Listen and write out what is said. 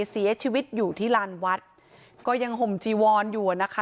เสียชีวิตอยู่ที่ลานวัดก็ยังห่มจีวอนอยู่นะคะ